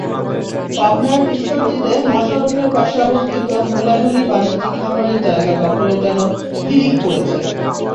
পাবনার ঈশ্বরদীতে মহাসড়কের পাশে অবস্থিত মুলাডুলি বাণিজ্যিক খামারের জায়গা দখলের যেন হিড়িক পড়েছে।